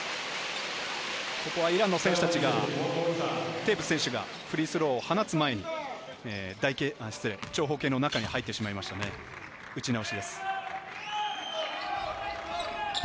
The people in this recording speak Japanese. イランの選手たちがテーブス選手がフリースローを放つ前に長方形の中に入ってしまいましたね、打ち直しです。